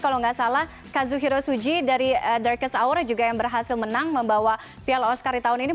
kalau nggak salah kazuhiro suji dari darkes hour juga yang berhasil menang membawa piala oscar di tahun ini